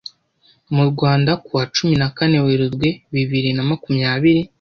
mu Rwanda kuwa cumi nakane Werurwe bibiri na makumyabiri